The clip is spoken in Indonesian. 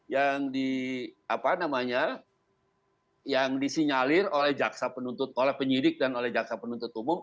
yang di apa namanya yang disinyalir oleh jaksa penuntut oleh penyidik dan oleh jaksa penuntut umum